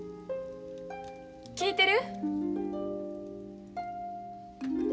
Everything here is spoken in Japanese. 聞いてる。